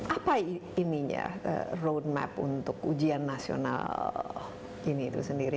apa ininya roadmap untuk ujian nasional ini itu sendiri